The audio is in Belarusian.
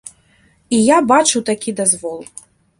І я бачыў такі дазвол.